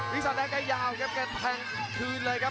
ปีศาสตร์แดงใกล้ยาวครับปีศาสตร์แดงคืนเลยครับ